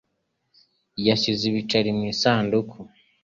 Yashyize ibiceri mu gasanduku.